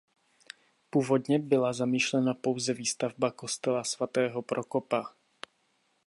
Původně byla zamýšlena pouze výstavba kostela svatého Prokopa.